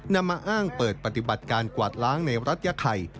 นำมาอ้างเปิดปฏิบัติการกวาดล้างในรัฐยาไข่